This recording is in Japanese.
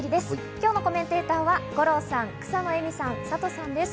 今日のコメンテーターは五郎さん、草野絵美さん、サトさんです。